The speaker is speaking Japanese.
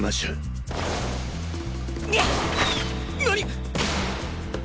何！？